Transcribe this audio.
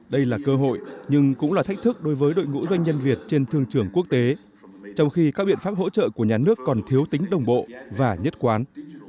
đây là cơ hội nhưng cũng là thách thức đối với đội ngũ doanh nhân việt trên thương trường quốc tế trong khi các biện pháp hỗ trợ của nhà nước còn thiếu tính đồng bộ và nhất quán